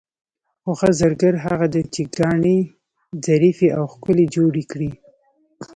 خو ښه زرګر هغه دی چې ګاڼې ظریفې او ښکلې جوړې کړي.